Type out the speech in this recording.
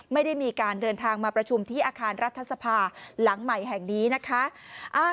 ไม่ได้มีการเดินทางมาประชุมที่อาคารรัฐสภาหลังใหม่แห่งนี้นะคะ